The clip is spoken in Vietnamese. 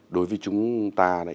đối với chúng ta đấy